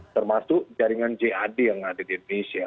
termasuk jaringan jad yang ada di indonesia